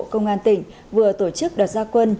công an tỉnh vừa tổ chức đợt ra quân